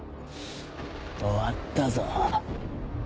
終わったぞ。